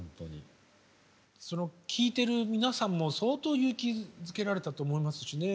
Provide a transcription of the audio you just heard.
その聴いてる皆さんも相当勇気づけられたと思いますしね。